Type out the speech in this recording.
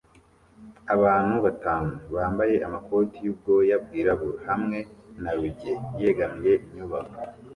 Abantu batanu bambaye amakoti yubwoya bwirabura hamwe na rugeyegamiye inyubako